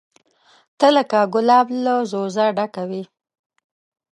ته لکه ګلاب له ځوزه ډکه وې